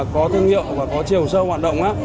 có thương hiệu và có chiều sâu hoạt động